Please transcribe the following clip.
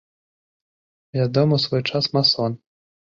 Вядомы ў свой час масон.